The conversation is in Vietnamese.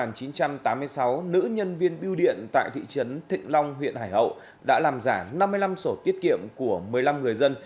năm một nghìn chín trăm tám mươi sáu nữ nhân viên biêu điện tại thị trấn thịnh long huyện hải hậu đã làm giả năm mươi năm sổ tiết kiệm của một mươi năm người dân